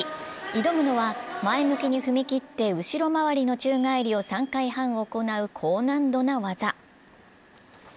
挑むのは前向きに踏み切って後ろ回りの宙返りを３回半行う高難度な技。